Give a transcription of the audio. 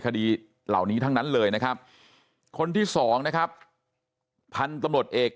คดีเหล่านี้ทั้งนั้นเลยนะครับคนที่สองนะครับพันธุ์ตำรวจเอก